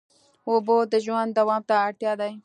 اوبه د ژوند دوام ته اړتیا دي.